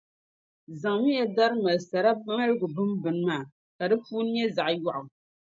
Zaŋmiya dari mali sara maligu bimbini maa, ka di puuni nyɛ zaɣ’ yɔɣu.